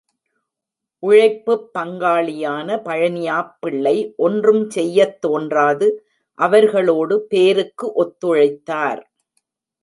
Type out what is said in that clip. உழைப்புப் பங்காளியான பழனியாப் பிள்ளை ஒன்றுஞ் செய்யத் தோன்றாது அவர்களோடு பேருக்கு ஒத்துழைத்தார்.